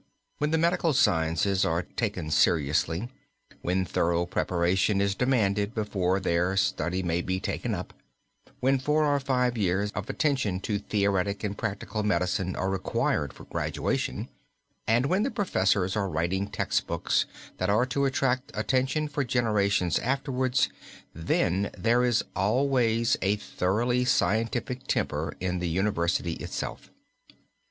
When the medical sciences are taken seriously, when thorough preparation is demanded before their study may be taken up, when four or five years of attention to theoretic and practical medicine are required for graduation, and when the professors are writing textbooks that are to attract attention for generations afterwards, then, there is always a thoroughly scientific temper m the university itself.